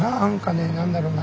何だろうな。